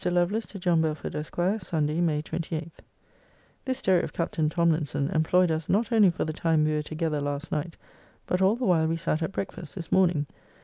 LOVELACE, TO JOHN BELFORD, ESQ. SUNDAY, MAY 28. This story of Captain Tomlinson employed us not only for the time we were together last night, but all the while we sat at breakfast this morning.